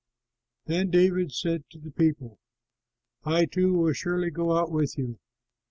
Then David said to the people, "I too will surely go out with you."